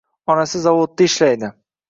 Onasi zavodda ishlaydi